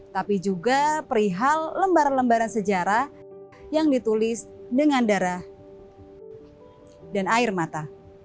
tapi juga perihal lembar lembaran sejarah yang ditulis dengan darah dan air mata